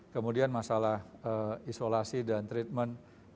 kemudian masalah isolasi dan treatment